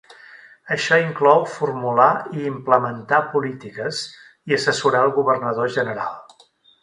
Això inclou formular i implementar polítiques i assessorar el governador general.